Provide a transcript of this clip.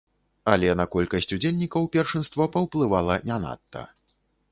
Але на колькасць удзельнікаў першынства паўплывала не надта.